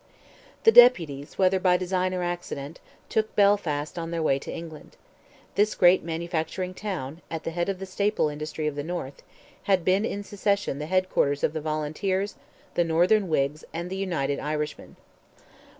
The deputies, whether by design or accident, took Belfast on their way to England. This great manufacturing town, at the head of the staple industry of the north, had been in succession the head quarters of the Volunteers, the Northern Whigs, and the United Irishmen.